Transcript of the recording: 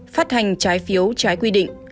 phát hành trái phiếu trái quy định